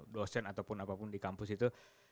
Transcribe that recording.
dosen ataupun apapun di kampus itu